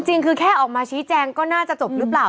จริงคือแค่ออกมาชี้แจงก็น่าจะจบหรือเปล่า